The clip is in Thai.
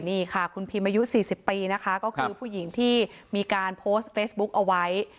นี่ค่ะคุณพิมอายุ๔๐ปีนะคะก็คือผู้หญิงที่มีการโพสต์เฟซบุ๊กเอาไว้